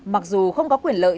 mặc dù không có quyền lợi